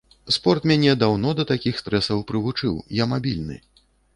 Спорт мяне даўно да такіх стрэсаў прывучыў, я мабільны.